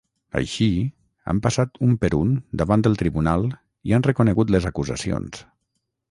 Així, han passat un per un davant del tribunal i han reconegut les acusacions.